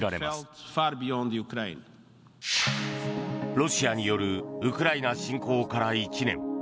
ロシアによるウクライナ侵攻から１年。